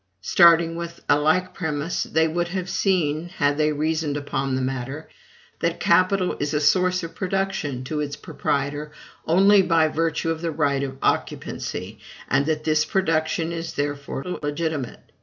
Starting with a like premise, they would have seen had they reasoned upon the matter that capital is a source of production to its proprietor only by virtue of the right of occupancy, and that this production is therefore illegitimate.